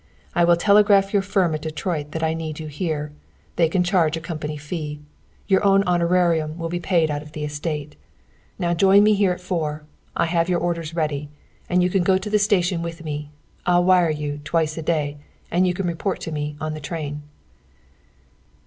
I will telegraph your firm at Detroit that I need you here. They can charge a company fee. Your own honorarium will be paid 'out of the estate.' Now join me here at four. I'll have your orders ready. And you can go to the station with me. I'll wire you, twice a day, and you can report to me, on the train."